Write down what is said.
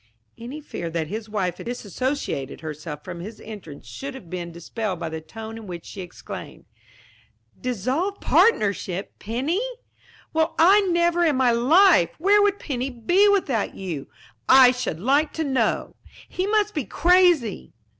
Any fear that his wife had disassociated herself from his interests should have been dispelled by the tone in which she exclaimed: "Dissolve partnership! Penny? Well, I never in my life! Where would Penny be without you, I should like to know! He must be crazy."